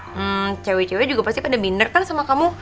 hmm cewek cewek juga pasti pada minner kan sama kamu